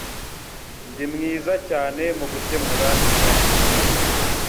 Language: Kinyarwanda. Ndi mwiza cyane mugukemura ibibazo.